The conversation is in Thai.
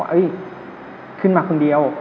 ว่าเฮ้ยขึ้นมาคนเดียว